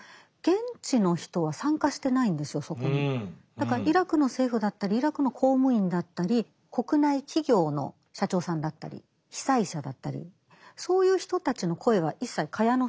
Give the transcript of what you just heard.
だからイラクの政府だったりイラクの公務員だったり国内企業の社長さんだったり被災者だったりそういう人たちの声は一切蚊帳の外なので。